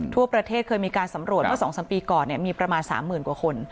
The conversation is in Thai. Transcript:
ทั่วประเทศเคยมีการสำรวจเมื่อ๒๓ปีก่อนมีประมาณ๓๐๐๐กว่าคน